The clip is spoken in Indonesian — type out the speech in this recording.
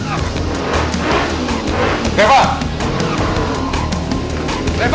aduh balik lagi dia